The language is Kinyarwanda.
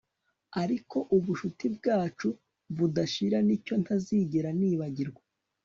ariko ubucuti bwacu budashira nicyo ntazigera nibagirwa